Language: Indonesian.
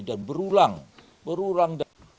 dan berulang berulang